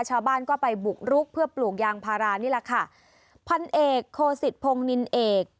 ชาวบ้านก็ไปบุกรุกเพื่อปลูกยางพารานี่แหละค่ะพันเอกโคสิตพงศ์นินเอก